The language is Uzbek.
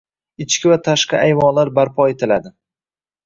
Ichki va tashqi ayvonlar barpo etiladi.